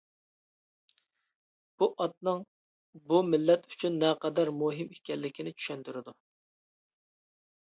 بۇ ئاتنىڭ بۇ مىللەت ئۈچۈن نەقەدەر مۇھىم ئىكەنلىكىنى چۈشەندۈرىدۇ.